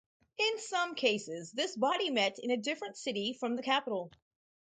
In some cases, this body met in a different city from the capital.